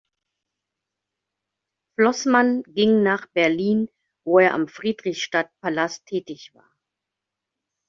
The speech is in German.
Flossmann ging nach Berlin, wo er am Friedrichstadtpalast tätig war.